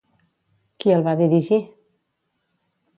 Qui el va dirigir?